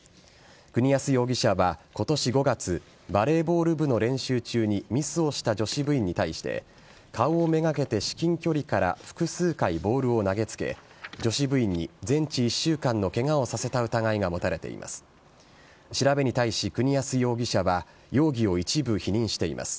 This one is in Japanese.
国安容疑者は今年５月バレーボール部の練習中にミスをした女子部員に対して顔をめがけて、至近距離から複数回ボールを投げつけ女子部員に全治１週間のケガをさせた疑いが持たれています。